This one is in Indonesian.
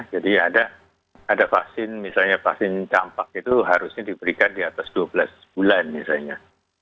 jadi ada vaksin misalnya vaksin tampak itu harusnya diberikan di atas dua belas bulan misalnya